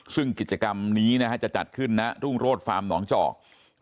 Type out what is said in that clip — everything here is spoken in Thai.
ซึ่งกิจกรรมนี้จะจัดขึ้นณรุ่งโรธฟาร์มหนองจอก